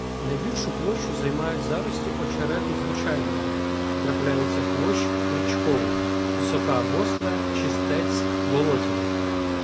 Найбільшу площу займають зарості очерету звичайного, трапляється хвощ річковий, осока гостра, чистець болотяний.